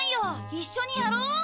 一緒にやろう！